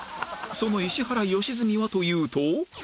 その石原良純はというと